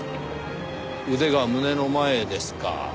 腕が胸の前ですか。